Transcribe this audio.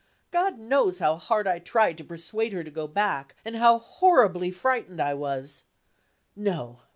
God knows how hard I tried to persuade her to go back, and how horribly frightened I was No!